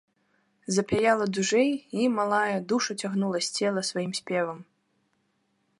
Запяяла дужэй, і, малая, душу цягнула з цела сваім спевам.